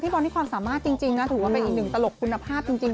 บอลนี่ความสามารถจริงนะถือว่าเป็นอีกหนึ่งตลกคุณภาพจริง